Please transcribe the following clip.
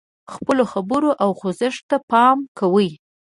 خپلو خبرو او خوځښت ته پام کوي.